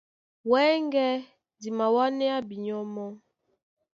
Wɛ́ŋgɛ̄ di mawánéá binyɔ́ mɔ́.